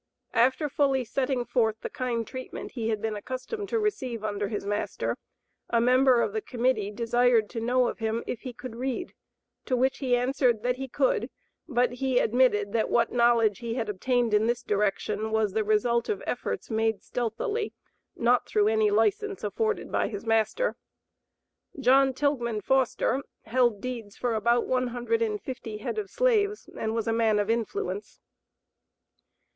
After fully setting forth the kind treatment he had been accustomed to receive under his master, a member of the Committee desired to know of him if he could read, to which he answered that he could, but he admitted that what knowledge he had obtained in this direction was the result of efforts made stealthily, not through any license afforded by his master. John Tilghman Foster held deeds for about one hundred and fifty head of slaves, and was a man of influence.